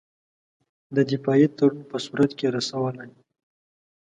د دفاعي تړون په صورت کې رسولای.